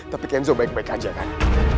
tapi kenzo baik baik aja kan